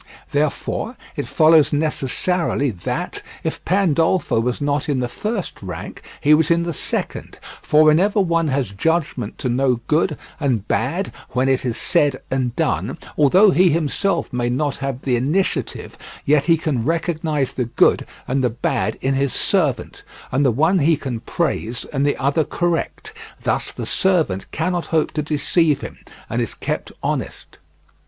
Therefore, it follows necessarily that, if Pandolfo was not in the first rank, he was in the second, for whenever one has judgment to know good and bad when it is said and done, although he himself may not have the initiative, yet he can recognize the good and the bad in his servant, and the one he can praise and the other correct; thus the servant cannot hope to deceive him, and is kept honest.